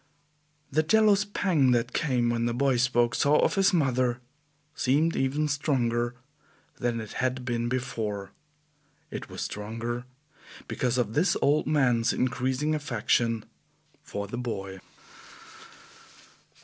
The jealous pang that came when the boy spoke so of his mother seemed even stronger than it had been before; it was stronger because of this old man's increasing affection for the boy.